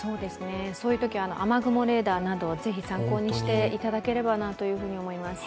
そういうとき雨雲レーダーなどをぜひ参考にしていただければなと思います。